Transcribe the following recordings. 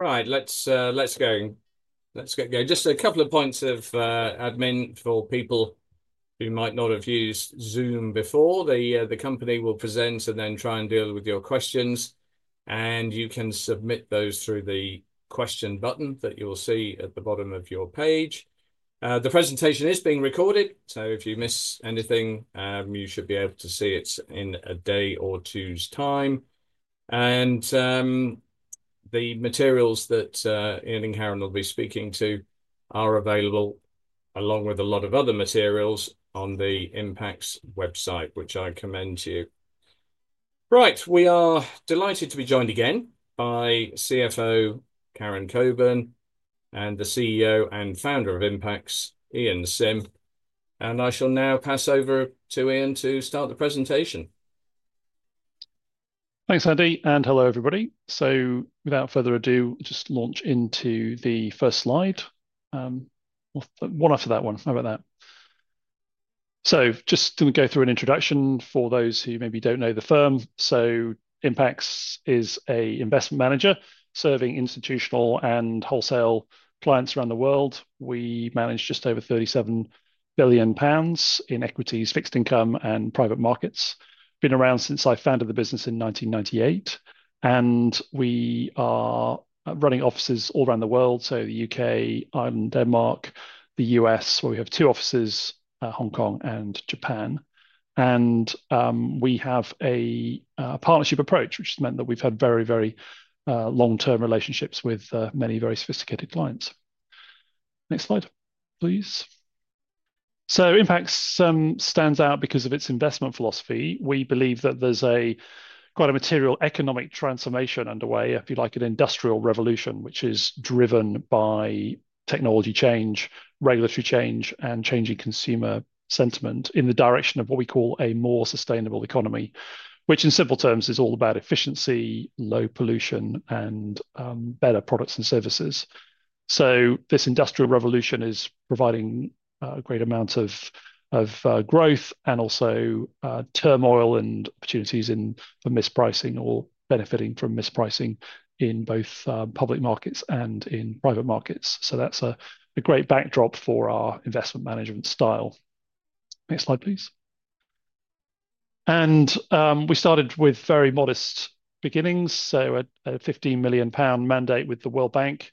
Right, let's go. Let's get going. Just a couple of points of admin for people who might not have used Zoom before. The company will present and then try and deal with your questions, and you can submit those through the question button that you'll see at the bottom of your page. The presentation is being recorded, so if you miss anything, you should be able to see it in a day or two's time, and the materials that Ian and Karen will be speaking to are available, along with a lot of other materials, on the Impax website, which I commend to you. Right, we are delighted to be joined again by CFO Karen Cockburn, and the CEO and founder of Impax, Ian Simm, and I shall now pass over to Ian to start the presentation. Thanks, Andy, and hello, everybody. Without further ado, just launch into the first slide. One after that one. How about that, so just going to go through an introduction for those who maybe don't know the firm. So Impax is an investment manager serving institutional and wholesale clients around the world. We manage just over 37 billion pounds in equities, fixed income, and private markets, been around since I founded the business in 1998, and we are running offices all around the world, so the U.K., Ireland, Denmark, the U.S., where we have two offices, Hong Kong and Japan, and we have a partnership approach, which has meant that we've had very, very long-term relationships with many very sophisticated clients. Next slide, please, so Impax stands out because of its investment philosophy. We believe that there's quite a material economic transformation underway, if you like, an industrial revolution, which is driven by technology change, regulatory change, and changing consumer sentiment in the direction of what we call a more sustainable economy, which in simple terms is all about efficiency, low pollution, and better products and services. So this industrial revolution is providing a great amount of growth and also turmoil and opportunities in missed pricing or benefiting from missed pricing in both public markets and in private markets. So that's a great backdrop for our investment management style. Next slide, please, and we started with very modest beginnings, so a 15 million pound mandate with the World Bank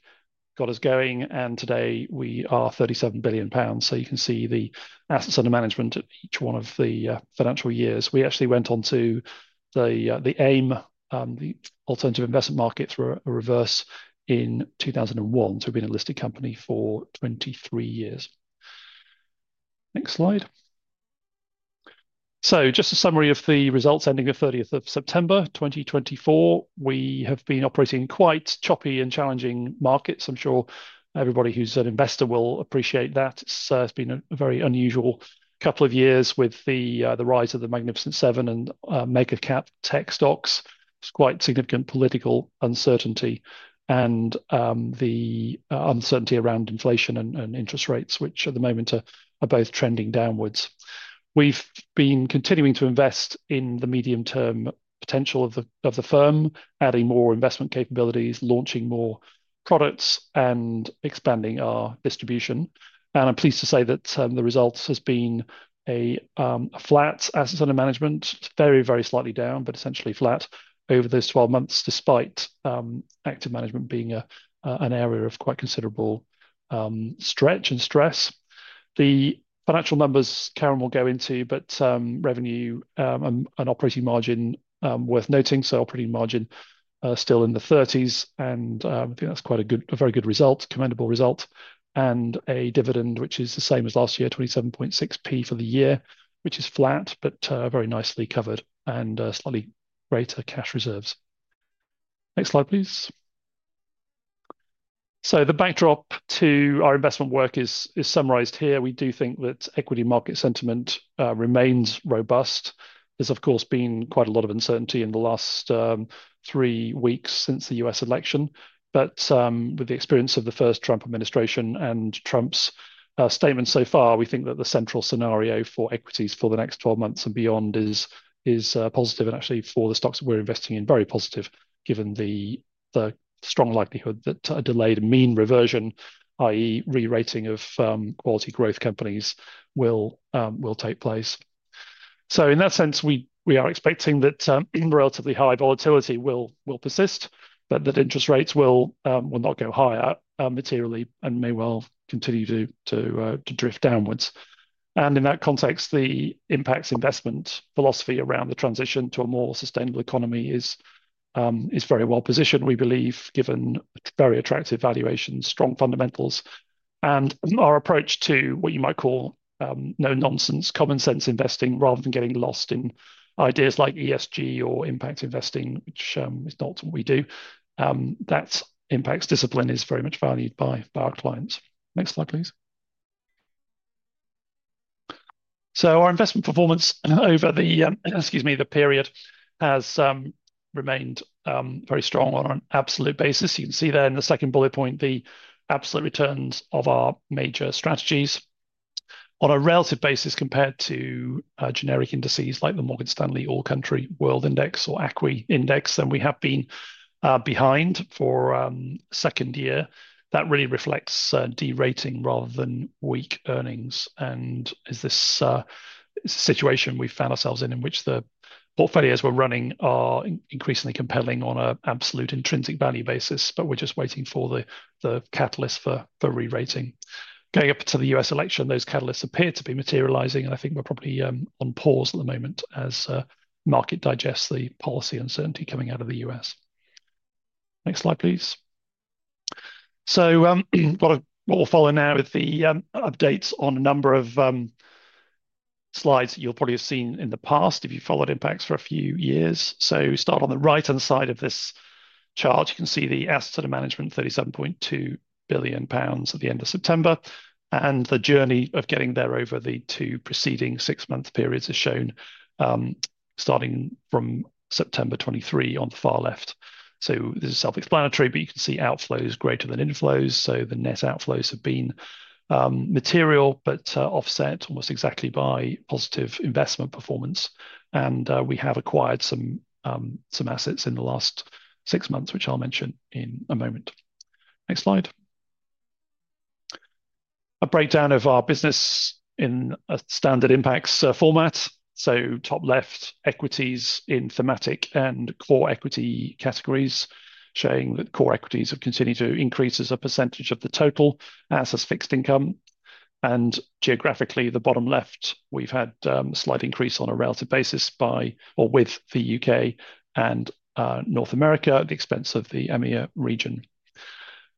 got us going, and today we are 37 billion pounds. So you can see the assets under management at each one of the financial years. We actually went on to the AIM, the Alternative Investment Market through a reverse in 2001, so we've been a listed company for 23 years. Next slide, so just a summary of the results ending the 30th of September, 2024. We have been operating in quite choppy and challenging markets. I'm sure everybody who's an investor will appreciate that, so it's been a very unusual couple of years with the rise of the Magnificent Seven and mega-cap tech stocks. It's quite significant political uncertainty and the uncertainty around inflation and interest rates, which at the moment are both trending downwards. We've been continuing to invest in the medium-term potential of the firm, adding more investment capabilities, launching more products, and expanding our distribution, and I'm pleased to say that the results have been a flat assets under management. It's very, very slightly down, but essentially flat over those 12 months, despite active management being an area of quite considerable stretch and stress. The financial numbers Karen will go into, but revenue and operating margin worth noting so operating margin still in the 30s, and I think that's quite a very good result, commendable result, and a dividend, which is the same as last year, 0.276 for the year, which is flat, but very nicely covered and slightly greater cash reserves. Next slide, please, so the backdrop to our investment work is summarized here. We do think that equity market sentiment remains robust. There's, of course, been quite a lot of uncertainty in the last three weeks since the U.S. election. But with the experience of the first Trump administration and Trump's statements so far, we think that the central scenario for equities for the next 12 months and beyond is positive. And actually, for the stocks that we're investing in, very positive, given the strong likelihood that a delayed mean reversion, i.e., re-rating of quality growth companies will take place. So in that sense, we are expecting that relatively high volatility will persist, but that interest rates will not go higher materially and may well continue to drift downward. And in that context, the Impax investment philosophy around the transition to a more sustainable economy is very well positioned, we believe, given very attractive valuations, strong fundamentals, and our approach to what you might call no-nonsense, common sense investing, rather than getting lost in ideas like ESG or impact investing, which is not what we do. That impact discipline is very much valued by our clients. Next slide, please. So our investment performance over the, excuse me, the period has remained very strong on an absolute basis. You can see there in the second bullet point, the absolute returns of our major strategies on a relative basis compared to generic indices like the Morgan Stanley All Country World Index or ACWI Index, and we have been behind for second year. That really reflects derating rather than weak earnings. And it's a situation we found ourselves in in which the portfolios we're running are increasingly compelling on an absolute intrinsic value basis, but we're just waiting for the catalyst for re-rating. Going up to the U.S. election, those catalysts appear to be materializing, and I think we're probably on pause at the moment as market digests the policy uncertainty coming out of the U.S. Next slide, please. What will follow now is the updates on a number of slides that you'll probably have seen in the past if you followed Impax for a few years. So we start on the right-hand side of this chart. You can see the assets under management, 37.2 billion pounds at the end of September. And the journey of getting there over the two preceding six-month periods is shown starting from September 2023 on the far left. So this is self-explanatory, but you can see outflows greater than inflows. So the net outflows have been material, but offset almost exactly by positive investment performance. And we have acquired some assets in the last six months, which I'll mention in a moment. Next slide. A breakdown of our business in a standard Impax format. So, top left, equities in thematic and core equity categories, showing that core equities have continued to increase as a percentage of the total assets, fixed income. And geographically, the bottom left, we've had a slight increase on a relative basis in the UK and North America at the expense of the EMEA region.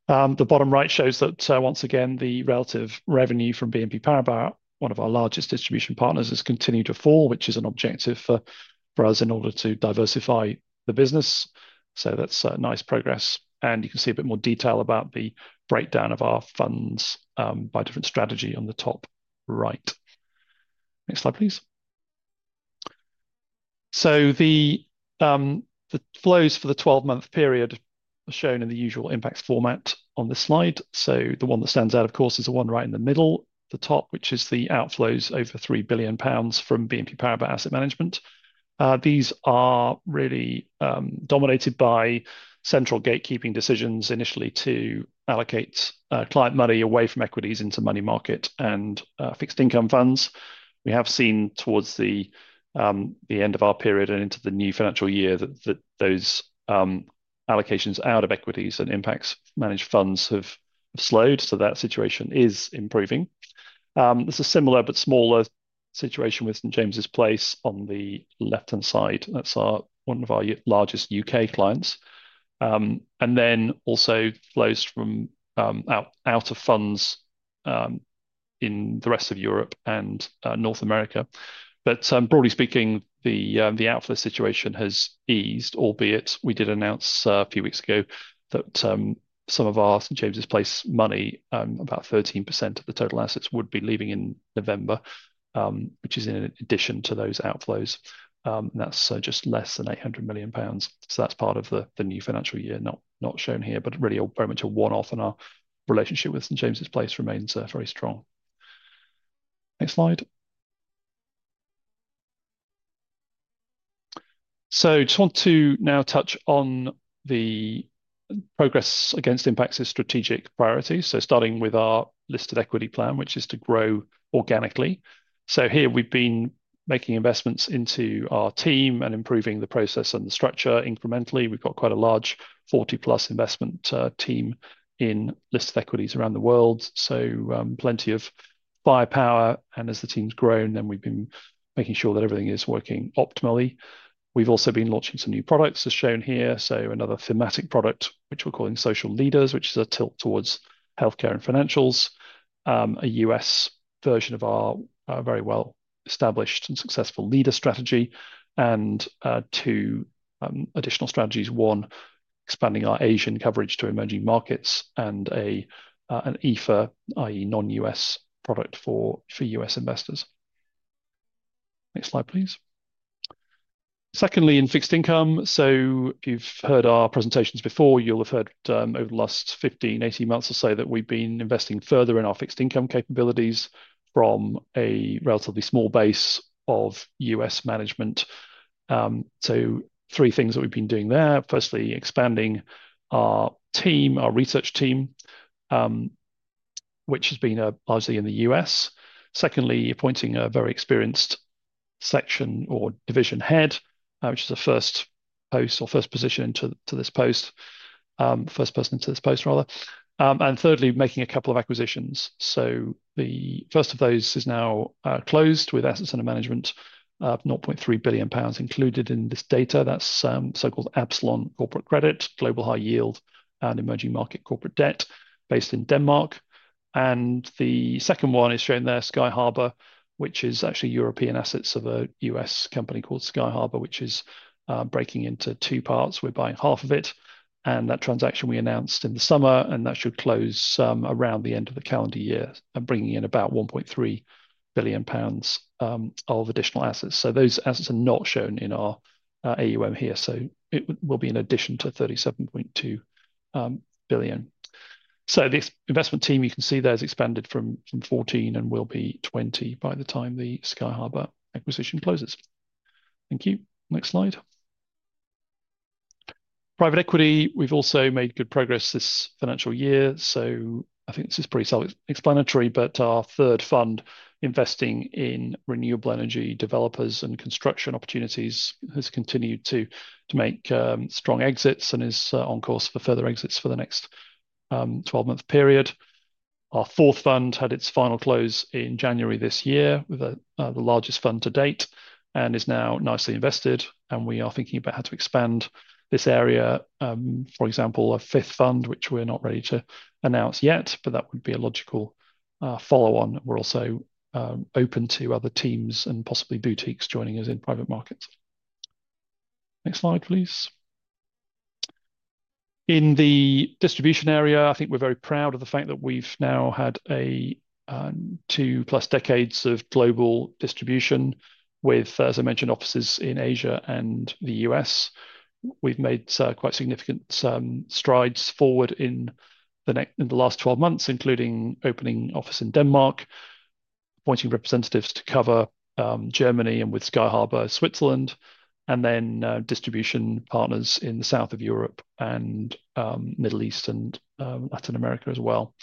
The bottom right shows that, once again, the relative revenue from BNP Paribas, one of our largest distribution partners, has continued to fall, which is an objective for us in order to diversify the business. So that's nice progress. And you can see a bit more detail about the breakdown of our funds by different strategy on the top right. Next slide, please. So the flows for the 12-month period are shown in the usual Impax format on this slide. So the one that stands out, of course, is the one right in the middle, the top, which is the outflows over 3 billion pounds from BNP Paribas Asset Management. These are really dominated by central gatekeeping decisions initially to allocate client money away from equities into money market and fixed income funds. We have seen towards the end of our period and into the new financial year that those allocations out of equities and Impax managed funds have slowed. So that situation is improving. There's a similar but smaller situation with St. James's Place on the left-hand side. That's one of our largest U.K. clients. And then also flows from out of funds in the rest of Europe and North America. But broadly speaking, the outflow situation has eased, albeit we did announce a few weeks ago that some of our St. James's Place money, about 13% of the total assets, would be leaving in November, which is in addition to those outflows. And that's just less than 800 million pounds. So that's part of the new financial year not shown here, but really very much a one-off, and our relationship with St. James's Place remains very strong. Next slide. So I just want to now touch on the progress against Impax's strategic priorities. So starting with our listed equity plan, which is to grow organically. So here we've been making investments into our team and improving the process and the structure incrementally. We've got quite a large 40-plus investment team in listed equities around the world. So plenty of firepower. And as the team's grown, then we've been making sure that everything is working optimally. We've also been launching some new products, as shown here. So another thematic product, which we're calling Social Leaders, which is a tilt towards healthcare and financials, a U.S. version of our very well-established and successful Leaders Strategy, and two additional strategies. One, expanding our Asian coverage to emerging markets, and an EFA, i.e., non-U.S. product for U.S. investors. Next slide, please. Secondly, in fixed income, so if you've heard our presentations before, you'll have heard over the last 15, 18 months or so that we've been investing further in our fixed income capabilities from a relatively small base of U.S. AUM. So three things that we've been doing there. Firstly, expanding our team, our research team, which has been largely in the U.S. Secondly, appointing a very experienced section or division head, which is a first post or first position to this post, first person to this post, rather. And thirdly, making a couple of acquisitions. So the first of those is now closed with assets under management of 0.3 billion pounds included in this data. That's so-called Absalon Corporate Credit, global high yield, and emerging market corporate debt based in Denmark. And the second one is shown there, Sky Harbor, which is actually European assets of a U.S. company called Sky Harbor, which is breaking into two parts. We're buying half of it. And that transaction we announced in the summer, and that should close around the end of the calendar year, bringing in about 1.3 billion pounds of additional assets. So those assets are not shown in our AUM here. So it will be in addition to 37.2 billion. So this investment team, you can see there, has expanded from 14 and will be 20 by the time the Sky Harbor acquisition closes. Thank you. Next slide. Private equity, we've also made good progress this financial year, so I think this is pretty self-explanatory, but our third fund, investing in renewable energy developers and construction opportunities, has continued to make strong exits and is on course for further exits for the next 12-month period. Our fourth fund had its final close in January this year with the largest fund to date and is now nicely invested, and we are thinking about how to expand this area. For example, a fifth fund, which we're not ready to announce yet, but that would be a logical follow-on. We're also open to other teams and possibly boutiques joining us in private markets. Next slide, please. In the distribution area, I think we're very proud of the fact that we've now had two-plus decades of global distribution with, as I mentioned, offices in Asia and the U.S.. We've made quite significant strides forward in the last 12 months, including opening office in Denmark, appointing representatives to cover Germany and with Sky Harbor, Switzerland, and then distribution partners in the south of Europe and Middle East and Latin America as well.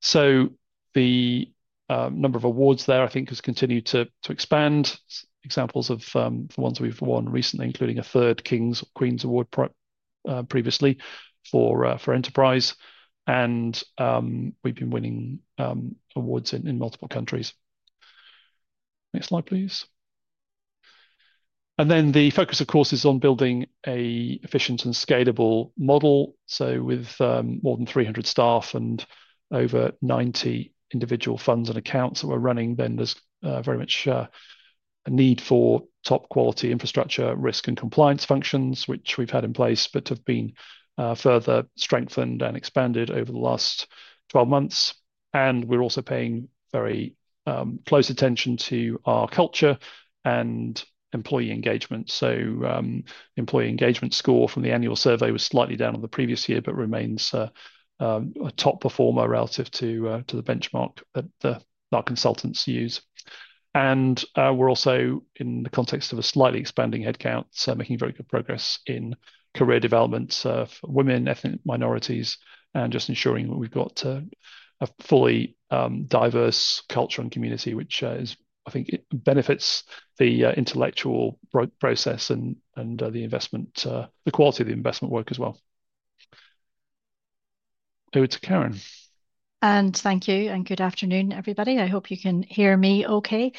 So the number of awards there, I think, has continued to expand. Examples of the ones we've won recently, including a third King's or Queen's Award for Enterprise. And we've been winning awards in multiple countries. Next slide, please. And then the focus, of course, is on building an efficient and scalable model. So with more than 300 staff and over 90 individual funds and accounts that we're running, then there's very much a need for top-quality infrastructure, risk, and compliance functions, which we've had in place, but have been further strengthened and expanded over the last 12 months. And we're also paying very close attention to our culture and employee engagement. So employee engagement score from the annual survey was slightly down on the previous year, but remains a top performer relative to the benchmark that our consultants use. And we're also, in the context of a slightly expanding headcount, making very good progress in career development for women, ethnic minorities, and just ensuring that we've got a fully diverse culture and community, which is, I think, benefits the intellectual process and the investment, the quality of the investment work as well. Over to Karen. And thank you. And good afternoon, everybody. I hope you can hear me okay.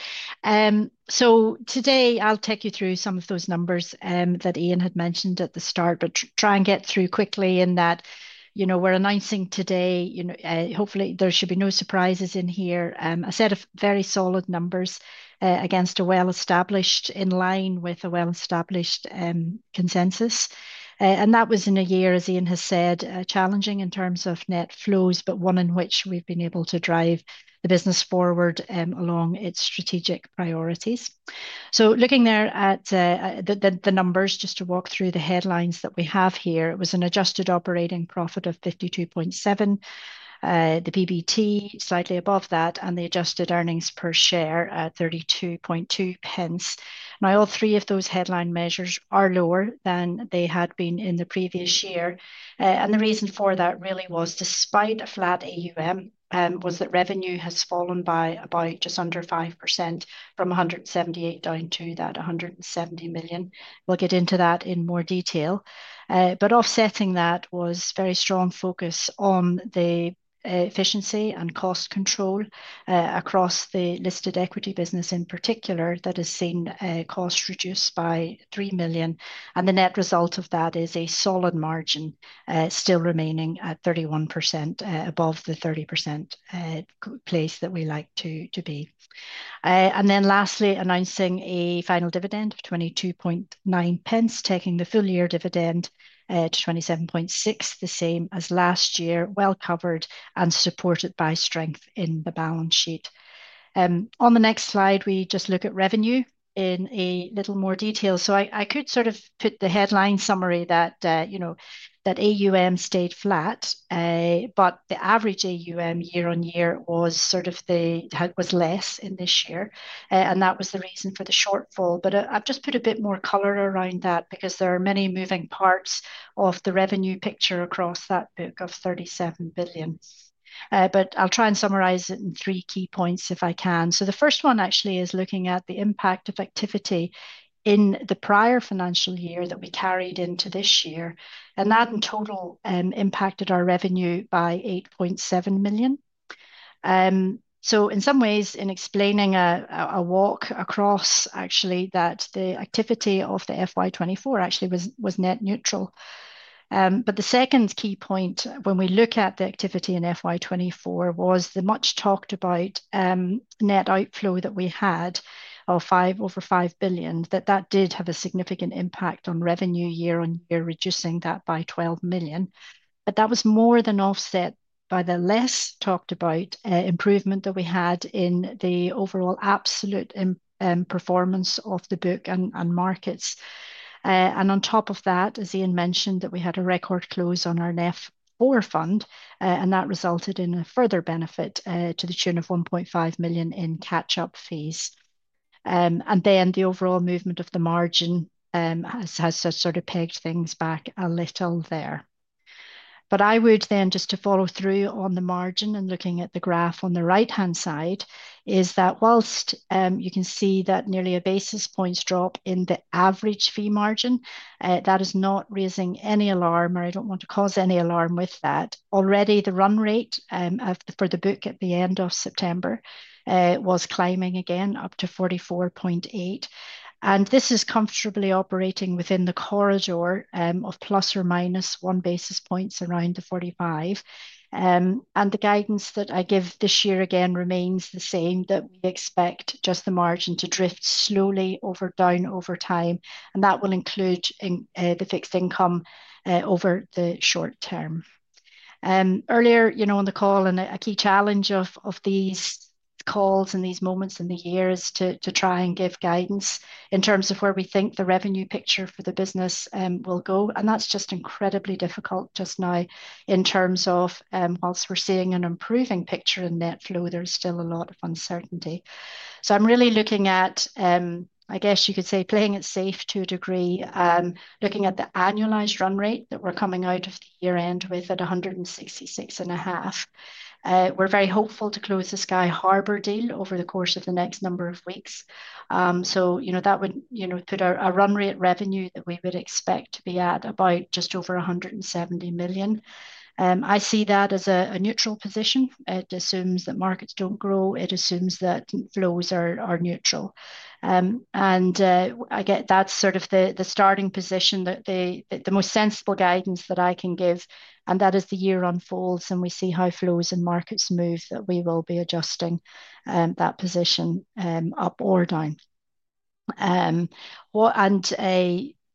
So today, I'll take you through some of those numbers that Ian had mentioned at the start, but try and get through quickly in that we're announcing today, hopefully, there should be no surprises in here, a set of very solid numbers against a well-established, in line with a well-established consensus. And that was in a year, as Ian has said, challenging in terms of net flows, but one in which we've been able to drive the business forward along its strategic priorities. So looking there at the numbers, just to walk through the headlines that we have here, it was an adjusted operating profit of 52.7, the PBT slightly above that, and the adjusted earnings per share at 32.2 pence. Now, all three of those headline measures are lower than they had been in the previous year. The reason for that really was, despite a flat AUM, that revenue has fallen by about just under 5% from 178 million down to 170 million. We'll get into that in more detail. Offsetting that was very strong focus on the efficiency and cost control across the listed equity business in particular that has seen costs reduced by 3 million. The net result of that is a solid margin still remaining at 31% above the 30% place that we like to be. Then lastly, announcing a final dividend of 22.9 pence, taking the full year dividend to 27.6, the same as last year, well covered and supported by strength in the balance sheet. On the next slide, we just look at revenue in a little more detail. I could sort of put the headline summary that AUM stayed flat, but the average AUM year on year was sort of less in this year. That was the reason for the shortfall. I've just put a bit more color around that because there are many moving parts of the revenue picture across that book of 37 billion. I'll try and summarize it in three key points if I can. The first one actually is looking at the impact of activity in the prior financial year that we carried into this year. That in total impacted our revenue by 8.7 million. In some ways, in explaining a walk across, actually, that the activity of the FY24 actually was net neutral. But the second key point, when we look at the activity in FY24, was the much talked about net outflow that we had of over £5 billion, that did have a significant impact on revenue year on year, reducing that by £12 million. But that was more than offset by the less talked about improvement that we had in the overall absolute performance of the book and markets. And on top of that, as Ian mentioned, that we had a record close on our NEF IV fund, and that resulted in a further benefit to the tune of £1.5 million in catch-up fees. And then the overall movement of the margin has sort of pegged things back a little there. But I would then just to follow through on the margin and looking at the graph on the right-hand side, that whilst you can see that nearly 1 basis point drop in the average fee margin, that is not raising any alarm, or I don't want to cause any alarm with that. Already, the run rate for the book at the end of September was climbing again up to 44.8. And this is comfortably operating within the corridor of plus or minus one basis point around the 45. And the guidance that I give this year again remains the same, that we expect just the margin to drift slowly down over time. And that will include the fixed income over the short term. Earlier on the call, and a key challenge of these calls and these moments in the year is to try and give guidance in terms of where we think the revenue picture for the business will go. And that's just incredibly difficult just now in terms of whilst we're seeing an improving picture in net flow, there's still a lot of uncertainty. So I'm really looking at, I guess you could say, playing it safe to a degree, looking at the annualized run rate that we're coming out of the year-end with at 166.5. We're very hopeful to close the Sky Harbor deal over the course of the next number of weeks. So that would put a run rate revenue that we would expect to be at about just over 170 million. I see that as a neutral position. It assumes that markets don't grow. It assumes that flows are neutral. And I get that's sort of the starting position, the most sensible guidance that I can give. And that as the year unfolds and we see how flows and markets move, that we will be adjusting that position up or down. And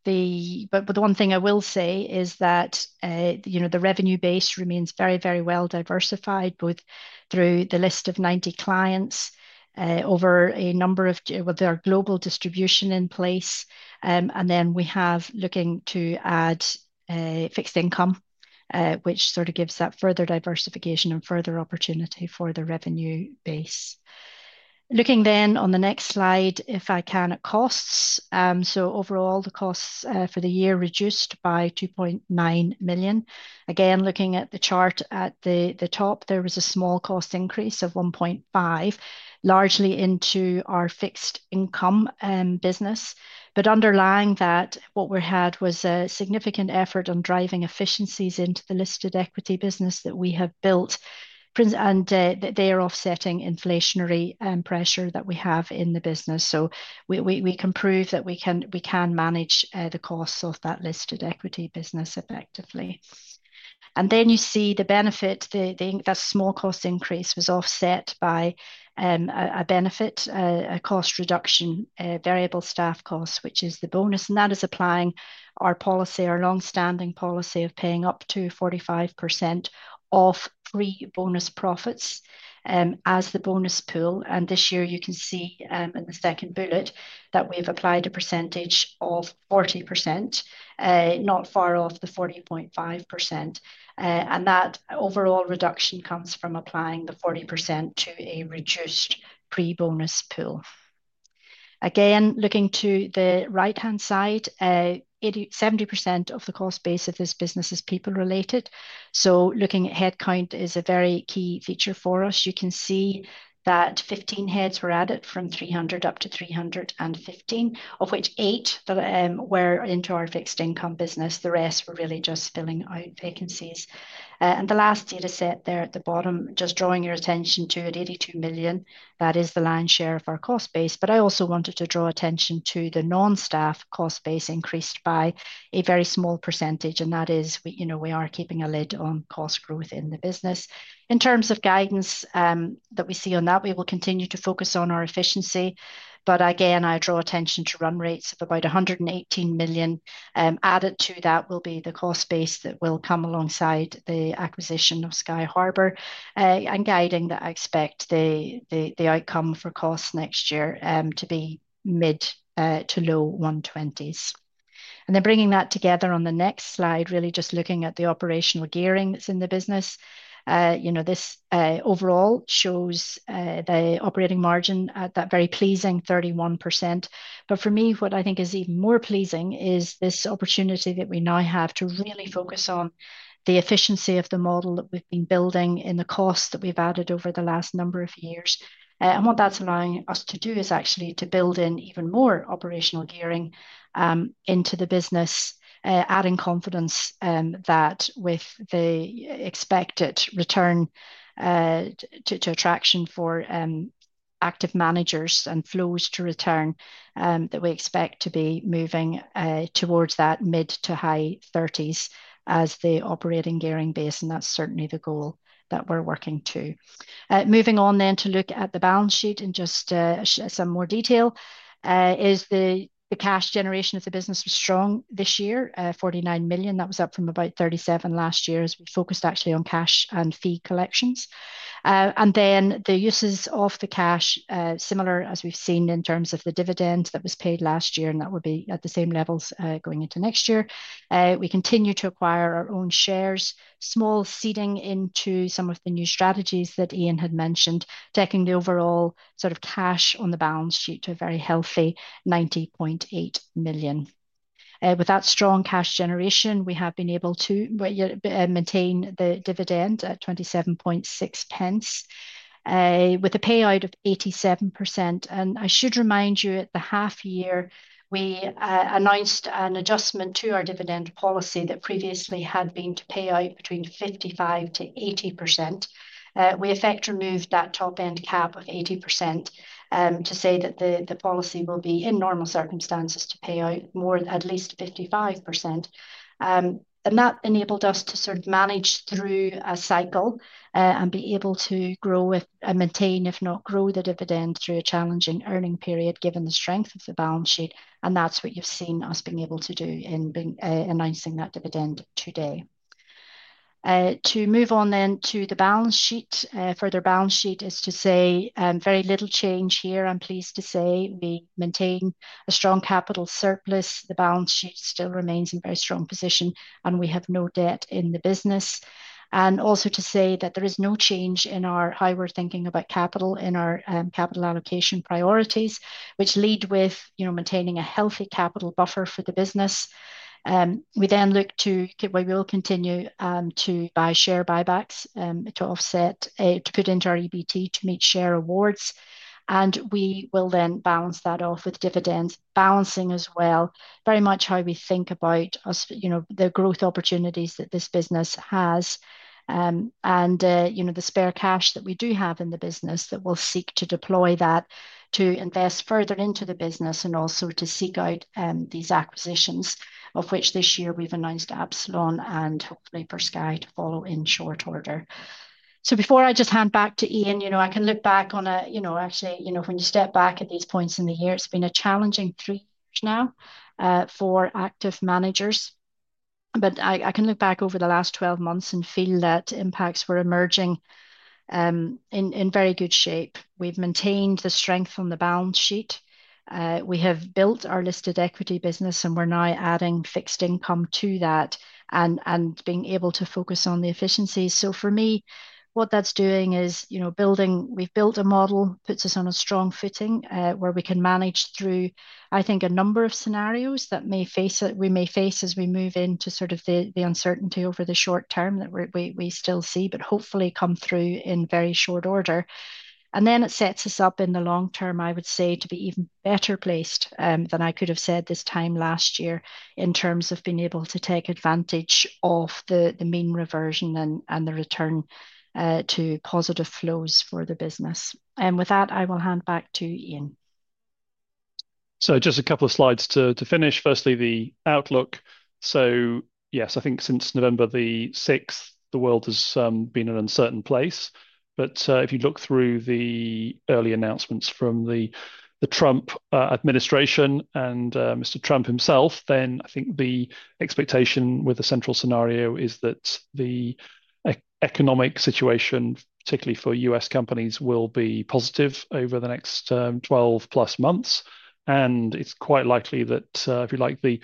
the one thing I will say is that the revenue base remains very, very well diversified, both through the list of 90 clients over a number of with our global distribution in place. And then we have looking to add fixed income, which sort of gives that further diversification and further opportunity for the revenue base. Looking then on the next slide, if I can, at costs. So overall, the costs for the year reduced by 2.9 million. Again, looking at the chart at the top, there was a small cost increase of 1.5 million, largely into our fixed income business. But underlying that, what we had was a significant effort on driving efficiencies into the listed equity business that we have built, and they are offsetting inflationary pressure that we have in the business. So we can prove that we can manage the costs of that listed equity business effectively. And then you see the benefit. That small cost increase was offset by a benefit, a cost reduction, variable staff costs, which is the bonus. And that is applying our policy, our long-standing policy of paying up to 45% of pre-bonus profits as the bonus pool. And this year, you can see in the second bullet that we've applied a percentage of 40%, not far off the 40.5%. And that overall reduction comes from applying the 40% to a reduced pre-bonus pool. Again, looking to the right-hand side, 70% of the cost base of this business is people related. Looking at headcount is a very key feature for us. You can see that 15 heads were added from 300 up to 315, of which eight were into our fixed income business. The rest were really just filling out vacancies. The last data set there at the bottom, just drawing your attention to 82 million, that is the staff share of our cost base. I also wanted to draw attention to the non-staff cost base increased by a very small percentage. That is, we are keeping a lid on cost growth in the business. In terms of guidance that we see on that, we will continue to focus on our efficiency. Again, I draw attention to run rates of about 118 million. Added to that will be the cost base that will come alongside the acquisition of Sky Harbor and guiding that I expect the outcome for costs next year to be mid to low 120s. And then bringing that together on the next slide, really just looking at the operational gearing that's in the business. This overall shows the operating margin at that very pleasing 31%. But for me, what I think is even more pleasing is this opportunity that we now have to really focus on the efficiency of the model that we've been building in the costs that we've added over the last number of years. What that's allowing us to do is actually to build in even more operational gearing into the business, adding confidence that with the expected return to attraction for active managers and flows to return that we expect to be moving towards that mid- to high-30s as the operating gearing base. That's certainly the goal that we're working to. Moving on, then, to look at the balance sheet in just some more detail. The cash generation of the business was strong this year, 49 million. That was up from about 37 million last year as we focused actually on cash and fee collections. Then the uses of the cash, similar as we've seen in terms of the dividend that was paid last year, and that will be at the same levels going into next year. We continue to acquire our own shares, small seeding into some of the new strategies that Ian had mentioned, taking the overall sort of cash on the balance sheet to a very healthy 90.8 million. With that strong cash generation, we have been able to maintain the dividend at 27.6 pence with a payout of 87%. And I should remind you at the half year, we announced an adjustment to our dividend policy that previously had been to pay out between 55%-80%. We effectively removed that top-end cap of 80% to say that the policy will be in normal circumstances to pay out at least 55%. And that enabled us to sort of manage through a cycle and be able to grow and maintain, if not grow, the dividend through a challenging earnings period given the strength of the balance sheet. That's what you've seen us being able to do in announcing that dividend today. To move on then to the balance sheet, further balance sheet is to say very little change here. I'm pleased to say we maintain a strong capital surplus. The balance sheet still remains in very strong position, and we have no debt in the business. Also to say that there is no change in our how we're thinking about capital in our capital allocation priorities, which lead with maintaining a healthy capital buffer for the business. We then look to where we will continue to buy share buybacks to offset, to put into our EBT to meet share awards. And we will then balance that off with dividends, balancing as well very much how we think about the growth opportunities that this business has and the spare cash that we do have in the business that we'll seek to deploy that to invest further into the business and also to seek out these acquisitions of which this year we've announced Absalon and hopefully for Sky to follow in short order. So before I just hand back to Ian, I can look back on – actually, when you step back at these points in the year, it's been a challenging three years now for active managers. But I can look back over the last 12 months and feel that Impax is emerging in very good shape. We've maintained the strength on the balance sheet. We have built our listed equity business, and we're now adding fixed income to that and being able to focus on the efficiencies. So for me, what that's doing is building. We've built a model that puts us on a strong footing where we can manage through, I think, a number of scenarios that we may face as we move into sort of the uncertainty over the short term that we still see, but hopefully come through in very short order. And then it sets us up in the long term, I would say, to be even better placed than I could have said this time last year in terms of being able to take advantage of the mean reversion and the return to positive flows for the business. And with that, I will hand back to Ian. So just a couple of slides to finish. Firstly, the outlook. So yes, I think since November the 6th, the world has been in an uncertain place. But if you look through the early announcements from the Trump administration and Mr. Trump himself, then I think the expectation with the central scenario is that the economic situation, particularly for U.S. companies, will be positive over the next 12 plus months. And it's quite likely that, if you like, the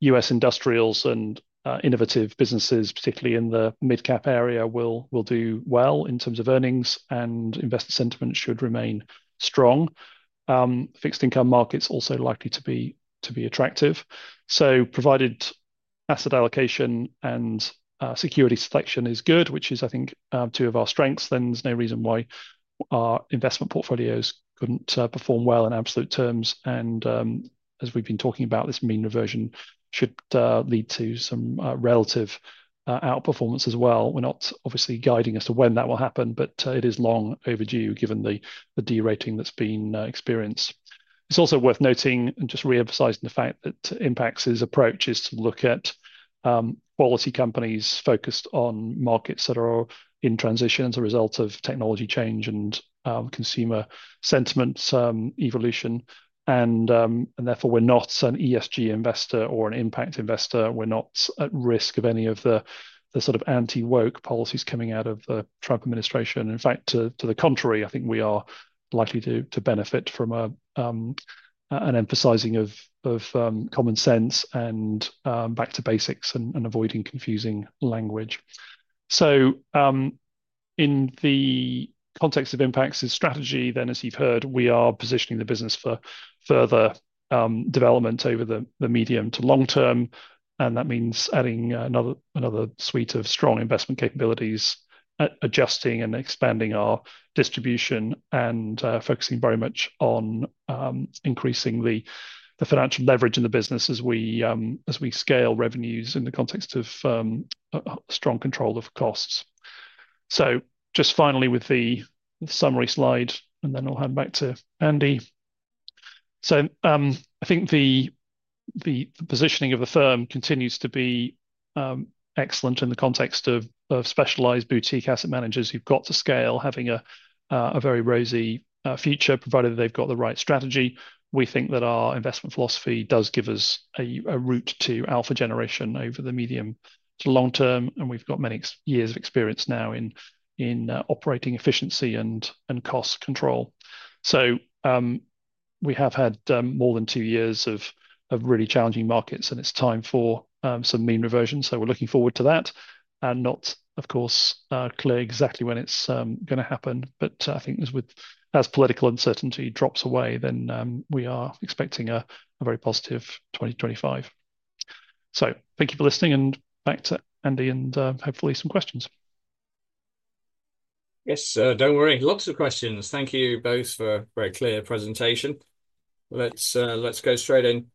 U.S. industrials and innovative businesses, particularly in the mid-cap area, will do well in terms of earnings, and investor sentiment should remain strong. Fixed income markets are also likely to be attractive. So provided asset allocation and security selection is good, which is, I think, two of our strengths, then there's no reason why our investment portfolios couldn't perform well in absolute terms. And as we've been talking about, this mean reversion should lead to some relative outperformance as well. We're not obviously guiding as to when that will happen, but it is long overdue given the derating that's been experienced. It's also worth noting and just reemphasizing the fact that Impax's approach is to look at quality companies focused on markets that are in transition as a result of technology change and consumer sentiment evolution. And therefore, we're not an ESG investor or an impact investor. We're not at risk of any of the sort of anti-woke policies coming out of the Trump administration. In fact, to the contrary, I think we are likely to benefit from an emphasizing of common sense and back to basics and avoiding confusing language. So in the context of Impax's strategy, then, as you've heard, we are positioning the business for further development over the medium to long term. That means adding another suite of strong investment capabilities, adjusting and expanding our distribution and focusing very much on increasing the financial leverage in the business as we scale revenues in the context of strong control of costs. Just finally with the summary slide, and then I'll hand back to Andy. I think the positioning of the firm continues to be excellent in the context of specialized boutique asset managers who've got to scale, having a very rosy future, provided they've got the right strategy. We think that our investment philosophy does give us a route to alpha generation over the medium to long term. And we've got many years of experience now in operating efficiency and cost control. We have had more than two years of really challenging markets, and it's time for some mean reversion. So we're looking forward to that, and it's not, of course, clear exactly when it's going to happen. But I think as political uncertainty drops away, then we are expecting a very positive 2025. So thank you for listening and back to Andy and hopefully some questions. Yes, don't worry. Lots of questions. Thank you both for a very clear presentation. Let's go straight in.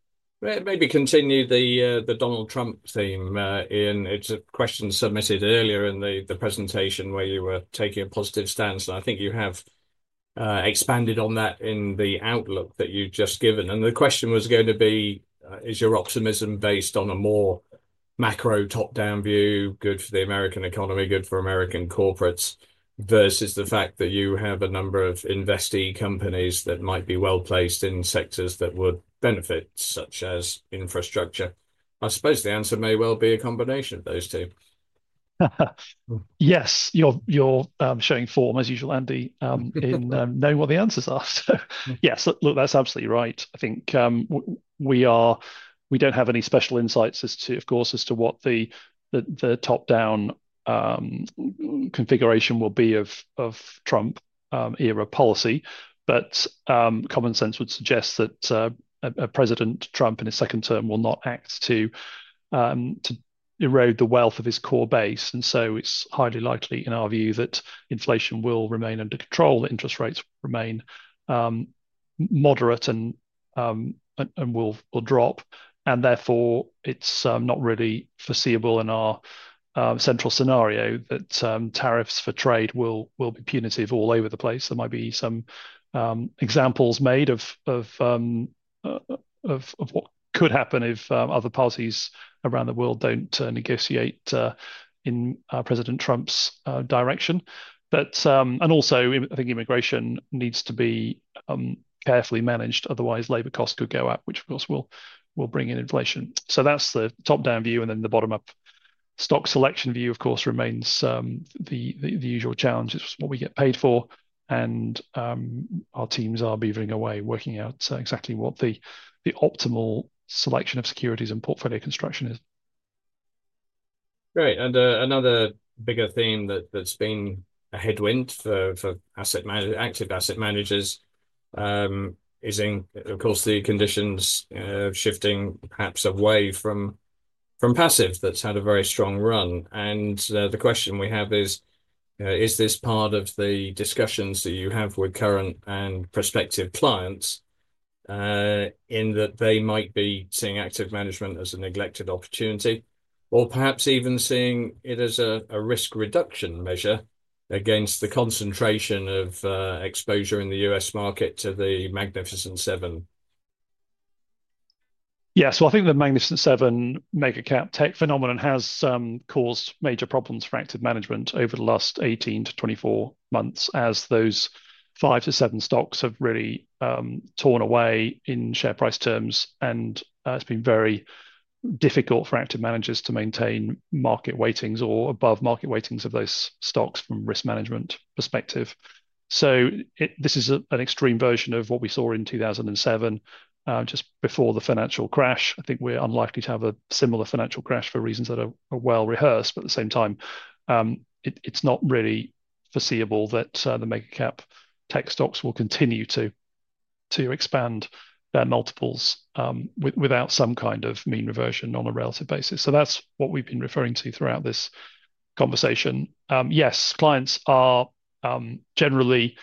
Maybe continue the Donald Trump theme, Ian. It's a question submitted earlier in the presentation where you were taking a positive stance, and I think you have expanded on that in the outlook that you've just given. And the question was going to be, is your optimism based on a more macro top-down view, good for the American economy, good for American corporates versus the fact that you have a number of investee companies that might be well placed in sectors that would benefit, such as infrastructure? I suppose the answer may well be a combination of those two. Yes, you're showing form as usual, Andy, in knowing what the answers are. So yes, look, that's absolutely right. I think we don't have any special insights as to, of course, as to what the top-down configuration will be of Trump-era policy. But common sense would suggest that a President Trump in his second term will not act to erode the wealth of his core base. And so it's highly likely, in our view, that inflation will remain under control, that interest rates will remain moderate and will drop. And therefore, it's not really foreseeable in our central scenario that tariffs for trade will be punitive all over the place. There might be some examples made of what could happen if other parties around the world don't negotiate in President Trump's direction. And also, I think immigration needs to be carefully managed, otherwise labor costs could go up, which of course will bring in inflation. So that's the top-down view. And then the bottom-up stock selection view, of course, remains the usual challenge. It's what we get paid for. And our teams are beavering away working out exactly what the optimal selection of securities and portfolio construction is. Great. Another bigger theme that's been a headwind for active asset managers is, of course, the conditions of shifting perhaps away from passive that's had a very strong run. The question we have is, is this part of the discussions that you have with current and prospective clients in that they might be seeing active management as a neglected opportunity or perhaps even seeing it as a risk reduction measure against the concentration of exposure in the U.S. Market to the Magnificent Seven? Yeah, so I think the Magnificent Seven mega cap tech phenomenon has caused major problems for active management over the last 18-24 months as those 5-7 stocks have really torn away in share price terms. It's been very difficult for active managers to maintain market weightings or above market weightings of those stocks from risk management perspective. This is an extreme version of what we saw in 2007 just before the financial crash. I think we're unlikely to have a similar financial crash for reasons that are well rehearsed. At the same time, it's not really foreseeable that the mega cap tech stocks will continue to expand their multiples without some kind of mean reversion on a relative basis. That's what we've been referring to throughout this conversation. Yes, clients are generally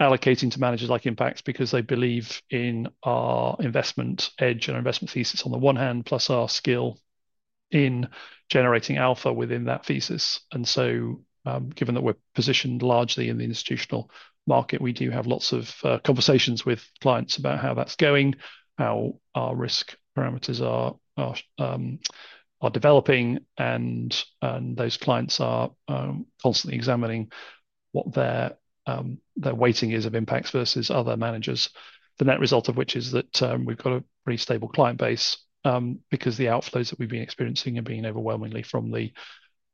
allocating to managers like Impax because they believe in our investment edge and our investment thesis on the one hand, plus our skill in generating alpha within that thesis. Given that we're positioned largely in the institutional market, we do have lots of conversations with clients about how that's going, how our risk parameters are developing. And those clients are constantly examining what their weighting is of Impax versus other managers, the net result of which is that we've got a pretty stable client base because the outflows that we've been experiencing are being overwhelmingly from the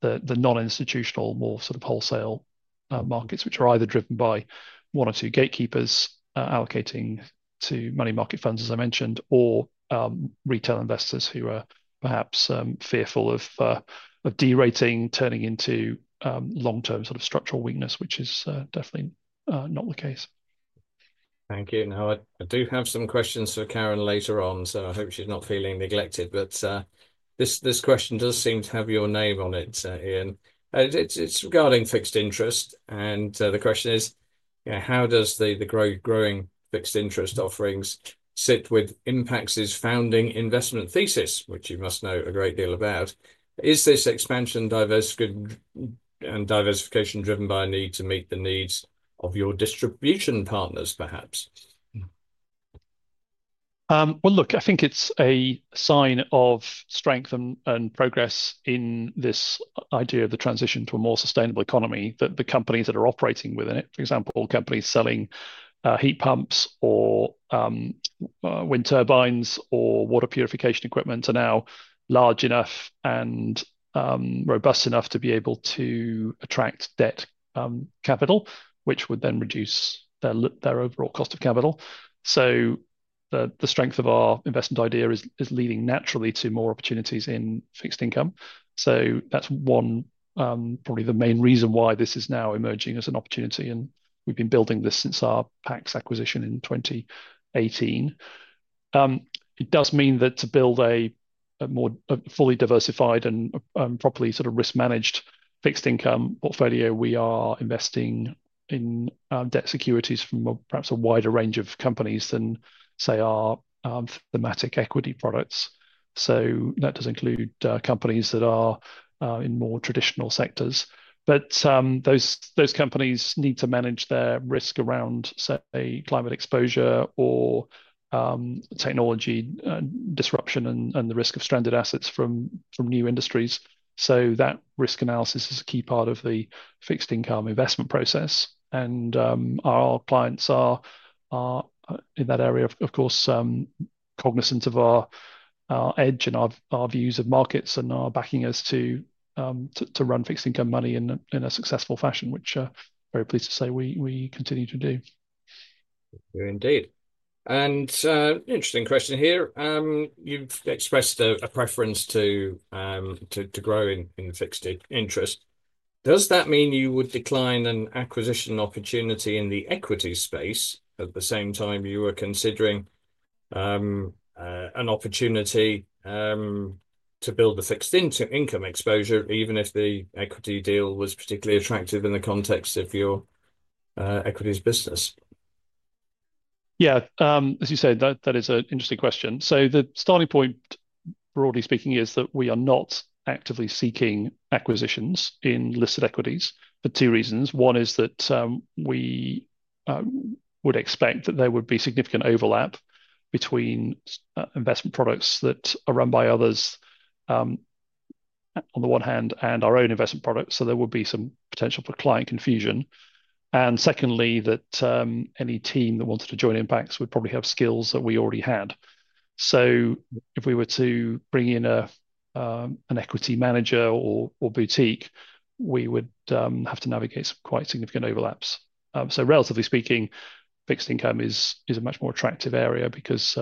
non-institutional, more sort of wholesale markets, which are either driven by one or two gatekeepers allocating to money market funds, as I mentioned, or retail investors who are perhaps fearful of derating turning into long-term sort of structural weakness, which is definitely not the case. Thank you. Now, I do have some questions for Karen later on, so I hope she's not feeling neglected. But this question does seem to have your name on it, Ian. It's regarding fixed interest. And the question is, how does the growing fixed interest offerings sit with Impax's founding investment thesis, which you must know a great deal about? Is this expansion, diversification driven by a need to meet the needs of your distribution partners, perhaps? Well, look, I think it's a sign of strength and progress in this idea of the transition to a more sustainable economy that the companies that are operating within it, for example, companies selling heat pumps or wind turbines or water purification equipment are now large enough and robust enough to be able to attract debt capital, which would then reduce their overall cost of capital. So the strength of our investment idea is leading naturally to more opportunities in fixed income. So that's probably the main reason why this is now emerging as an opportunity. And we've been building this since our Pax acquisition in 2018. It does mean that to build a more fully diversified and properly sort of risk-managed fixed income portfolio, we are investing in debt securities from perhaps a wider range of companies than, say, our thematic equity products, so that does include companies that are in more traditional sectors, but those companies need to manage their risk around, say, climate exposure or technology disruption and the risk of stranded assets from new industries, so that risk analysis is a key part of the fixed income investment process, and our clients are in that area, of course, cognizant of our edge and our views of markets and are backing us to run fixed income money in a successful fashion, which I'm very pleased to say we continue to do. Indeed, and an interesting question here. You've expressed a preference to grow in fixed income. Does that mean you would decline an acquisition opportunity in the equity space at the same time you were considering an opportunity to build the fixed income exposure, even if the equity deal was particularly attractive in the context of your equities business? Yeah, as you said, that is an interesting question, so the starting point, broadly speaking, is that we are not actively seeking acquisitions in listed equities for two reasons. One is that we would expect that there would be significant overlap between investment products that are run by others on the one hand and our own investment products, so there would be some potential for client confusion. And secondly, that any team that wanted to join Impax would probably have skills that we already had, so if we were to bring in an equity manager or boutique, we would have to navigate some quite significant overlaps. So, relatively speaking, fixed income is a much more attractive area because,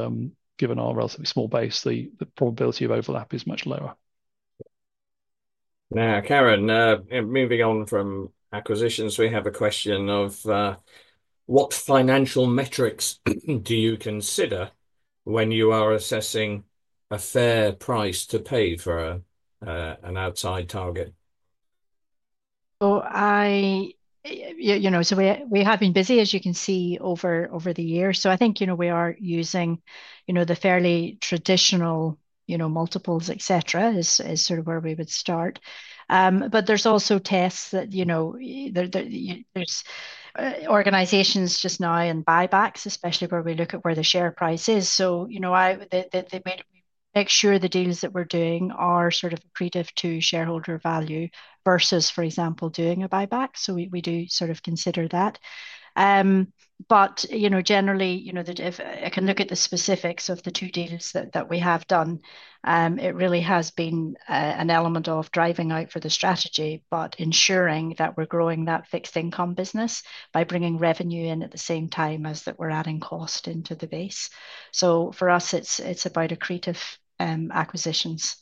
given our relatively small base, the probability of overlap is much lower. Now, Karen, moving on from acquisitions, we have a question of what financial metrics do you consider when you are assessing a fair price to pay for an outside target? So we have been busy, as you can see, over the years. So I think we are using the fairly traditional multiples, et cetera, is sort of where we would start. But there's also tests that there's organizations just now in buybacks, especially where we look at where the share price is. So they make sure the deals that we're doing are sort of accretive to shareholder value versus, for example, doing a buyback. So we do sort of consider that. But generally, if I can look at the specifics of the two deals that we have done, it really has been an element of driving out for the strategy, but ensuring that we're growing that fixed income business by bringing revenue in at the same time as that we're adding cost into the base. So for us, it's about accretive acquisitions.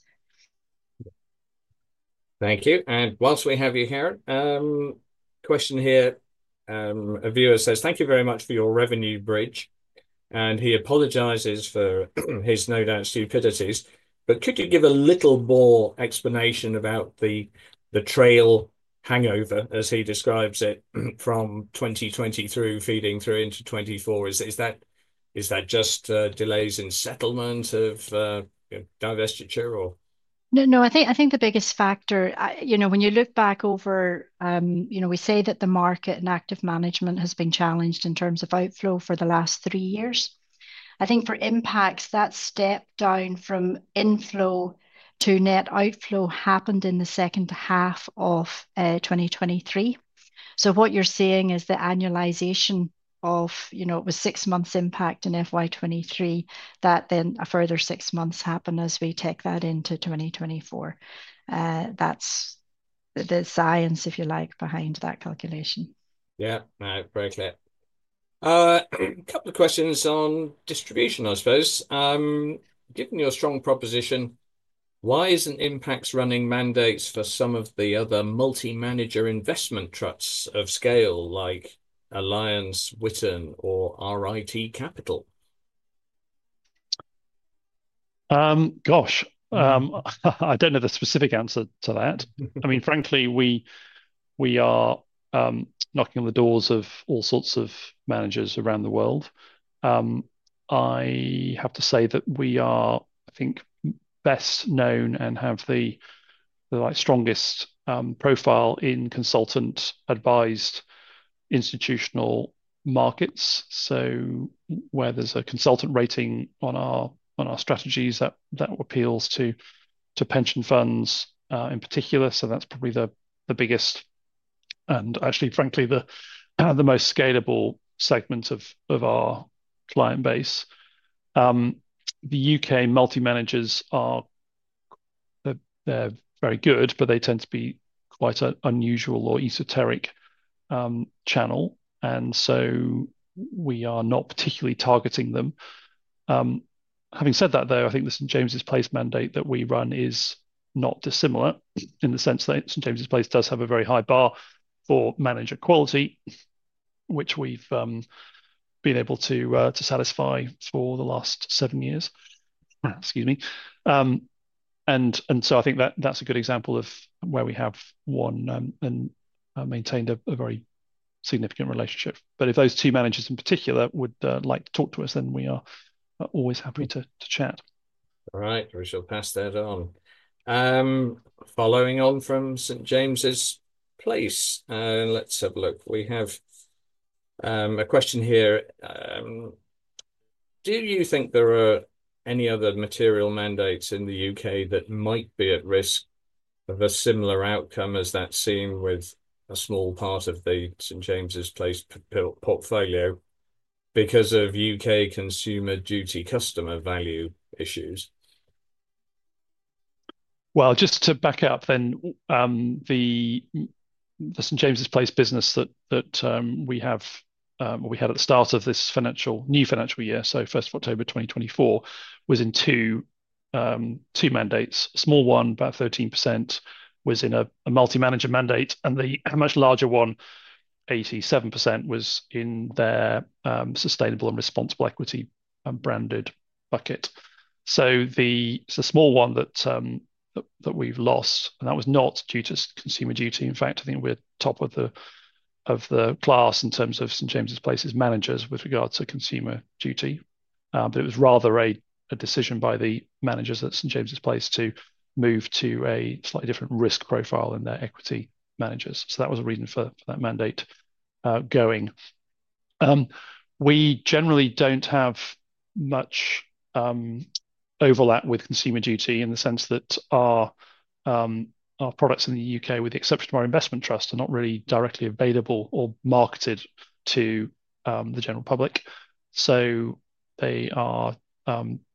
Thank you. And while we have you here, question here. A viewer says, "Thank you very much for your revenue bridge." And he apologizes for his no doubt stupidities. But could you give a little more explanation about the trail hangover, as he describes it, from 2020 through feeding through into 24? Is that just delays in settlement of divestiture or? No, no. I think the biggest factor, when you look back over, we say that the market and active management has been challenged in terms of outflow for the last three years. I think for Impax, that step down from inflow to net outflow happened in the second half of 2023. So what you're saying is the annualization of it was six months impact in FY23, that then a further six months happen as we take that into 2024. That's the science, if you like, behind that calculation. Yeah, very clear. A couple of questions on distribution, I suppose. Given your strong proposition, why isn't Impax running mandates for some of the other multi-manager investment trusts of scale like Alliance, Witan, or RIT Capital? Gosh, I don't know the specific answer to that. I mean, frankly, we are knocking on the doors of all sorts of managers around the world. I have to say that we are, I think, best known and have the strongest profile in consultant-advised institutional markets. So where there's a consultant rating on our strategies, that appeals to pension funds in particular. So that's probably the biggest and actually, frankly, the most scalable segment of our client base. The U.K. multi-managers, they're very good, but they tend to be quite an unusual or esoteric channel, and so we are not particularly targeting them. Having said that, though, I think the St. James's Place mandate that we run is not dissimilar in the sense that St. James's Place does have a very high bar for manager quality, which we've been able to satisfy for the last seven years. Excuse me, and so I think that's a good example of where we have won and maintained a very significant relationship. But if those two managers in particular would like to talk to us, then we are always happy to chat. All right, we shall pass that on. Following on from St. James's Place, let's have a look. We have a question here. Do you think there are any other material mandates in the U.K. that might be at risk of a similar outcome as that seen with a small part of the St. James's Place portfolio because of UK Consumer Duty customer value issues? Well, just to back it up, then the St. James's Place business that we have or we had at the start of this new financial year, so October 1st 2024, was in two mandates. A small one, about 13%, was in a multi-manager mandate. And the much larger one, 87%, was in their Sustainable and Responsible Equity branded bucket. So the small one that we've lost, and that was not due to Consumer Duty. In fact, I think we're top of the class in terms of St. James's Place's managers with regard to Consumer Duty. But it was rather a decision by the managers at St. James's Place to move to a slightly different risk profile in their equity managers. So that was a reason for that mandate going. We generally don't have much overlap with Consumer Duty in the sense that our products in the U.K., with the exception of our investment trusts, are not really directly available or marketed to the general public. So they are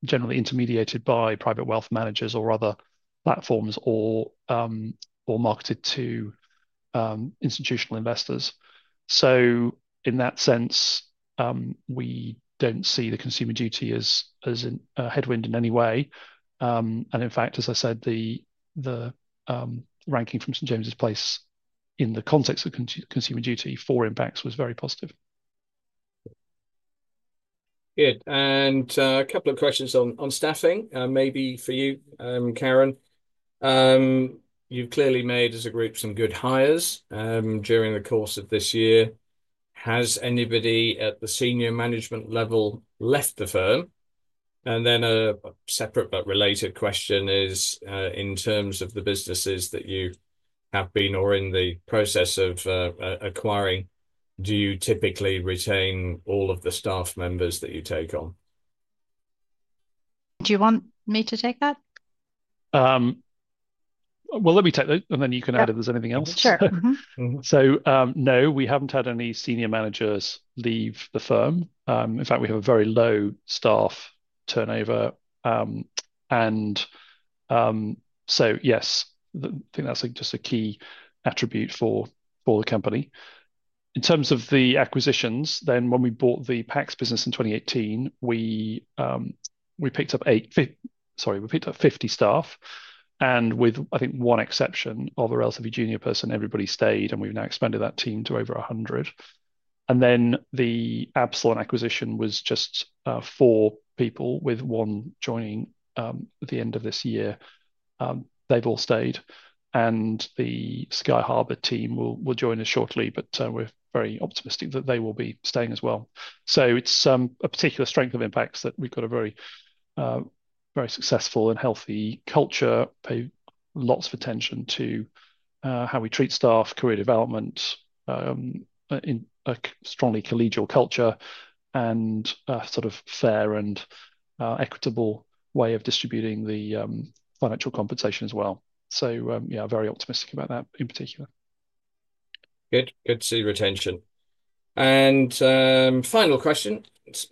generally intermediated by private wealth managers or other platforms or marketed to institutional investors. So in that sense, we don't see the Consumer Duty as a headwind in any way. And in fact, as I said, the ranking from St. James's Place in the context of Consumer Duty for Impax was very positive. Good. And a couple of questions on staffing, maybe for you, Karen. You've clearly made as a group some good hires during the course of this year. Has anybody at the senior management level left the firm? And then a separate but related question is, in terms of the businesses that you have been or in the process of acquiring, do you typically retain all of the staff members that you take on? Do you want me to take that? Well, let me take that, and then you can add if there's anything else. Sure. So no, we haven't had any senior managers leave the firm. In fact, we have a very low staff turnover. And so yes, I think that's just a key attribute for the company. In terms of the acquisitions, then when we bought the PAX business in 2018, we picked up 80, sorry, we picked up 50 staff, and with, I think, one exception of a relatively junior person, everybody stayed, and we've now expanded that team to over 100, and then the Absalon acquisition was just four people with one joining at the end of this year. They've all stayed, and the Sky Harbor team will join us shortly, but we're very optimistic that they will be staying as well, so it's a particular strength of Impax that we've got a very successful and healthy culture, pay lots of attention to how we treat staff, career development, a strongly collegial culture, and a sort of fair and equitable way of distributing the financial compensation as well, so yeah, very optimistic about that in particular. Good. Good to see retention. And final question,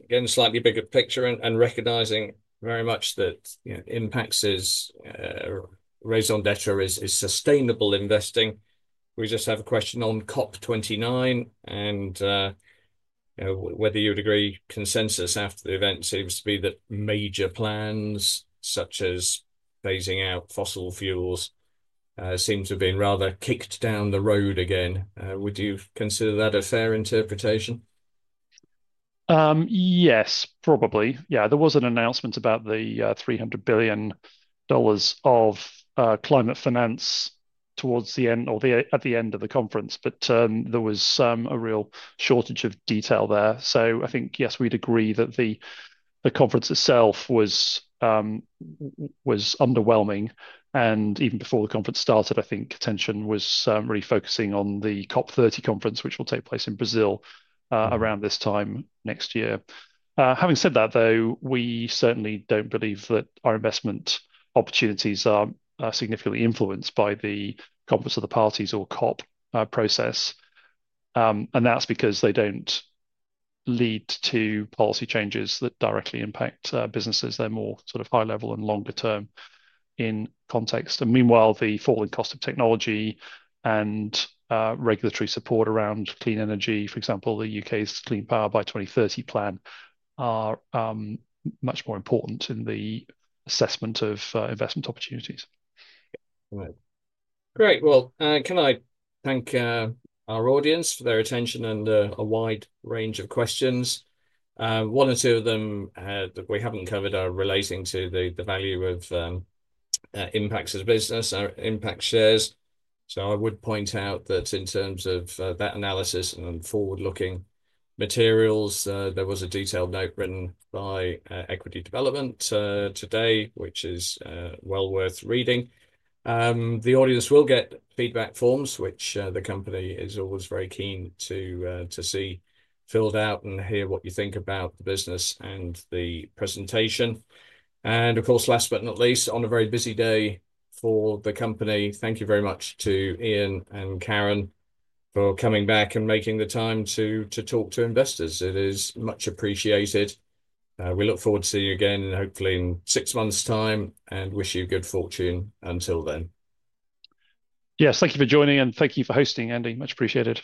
again, slightly bigger picture and recognizing very much that Impax's raison d'être is sustainable investing. We just have a question on COP29 and whether you would agree consensus after the event seems to be that major plans such as phasing out fossil fuels seem to have been rather kicked down the road again. Would you consider that a fair interpretation? Yes, probably. Yeah, there was an announcement about the $300 billion of climate finance towards the end or at the end of the conference, but there was a real shortage of detail there. So I think, yes, we'd agree that the conference itself was underwhelming. And even before the conference started, I think attention was really focusing on the COP30 conference, which will take place in Brazil around this time next year. Having said that, though, we certainly don't believe that our investment opportunities are significantly influenced by the Conference of the Parties or COP process, and that's because they don't lead to policy changes that directly impact businesses. They're more sort of high level and longer term in context, and meanwhile, the falling cost of technology and regulatory support around clean energy, for example, the UK's Clean Power by 2030 plan, are much more important in the assessment of investment opportunities. Great, well, can I thank our audience for their attention and a wide range of questions? One or two of them that we haven't covered are relating to the value of Impax's business, Impax shares, so I would point out that in terms of that analysis and forward-looking materials, there was a detailed note written by Equity Development today, which is well worth reading. The audience will get feedback forms, which the company is always very keen to see filled out and hear what you think about the business and the presentation, and of course, last but not least, on a very busy day for the company, thank you very much to Ian and Karen for coming back and making the time to talk to investors. It is much appreciated. We look forward to seeing you again, hopefully in six months' time, and wish you good fortune until then. Yes, thank you for joining, and thank you for hosting, Andy. Much appreciated.